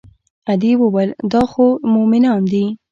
ادې وويل دا خو مومنان دي.